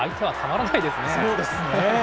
そうですね。